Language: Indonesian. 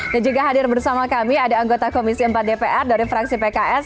dan juga hadir bersama kami ada anggota komisi empat dpr dari fraksi pks